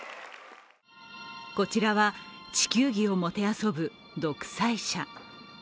こちらは、地球儀を弄ぶ独裁者。